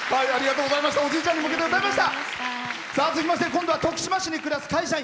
続きまして今度は徳島市に暮らす会社員。